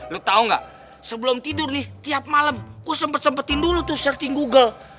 lo tau gak sebelum tidur nih tiap malem gue sempet sempetin dulu tuh syarting google